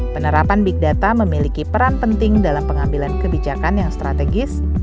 penerapan big data memiliki peran penting dalam pengambilan kebijakan yang strategis